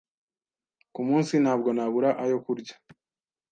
Ku munsi ntabwo nabura ayo kurya